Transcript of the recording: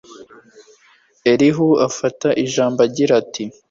elihu afata ijambo, agira ati